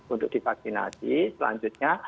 untuk divaksinasi selanjutnya